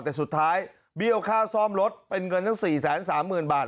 แต่สุดท้ายเบี้ยวค่าซ่อมรถเป็นเงินตั้ง๔๓๐๐๐บาท